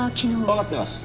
わかってます。